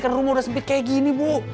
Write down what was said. karena rumah udah sempit kayak gini bu